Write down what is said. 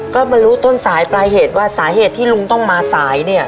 ก็มารู้ต้นสายปลายเหตุว่าสาเหตุที่ลุงต้องมาสายเนี่ย